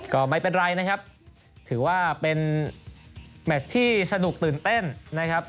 ก็ไม่เป็นไรนะครับถือว่าเป็นแมทที่สนุกตื่นเต้นนะครับ